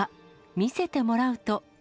見せてもらうと。